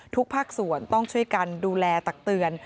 ภาคส่วนต้องช่วยกันดูแลตักเตือน